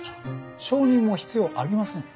証人も必要ありません。